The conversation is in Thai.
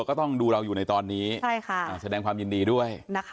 ก็ต้องดูเราอยู่ในตอนนี้แสดงความยินดีด้วยนะคะ